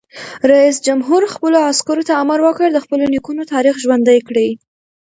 رئیس جمهور خپلو عسکرو ته امر وکړ؛ د خپلو نیکونو تاریخ ژوندی کړئ!